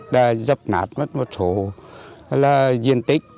đã dập nát mất một số là diện tích